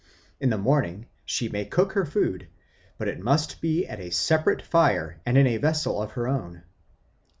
In the morning she may cook her food, but it must be at a separate fire and in a vessel of her own.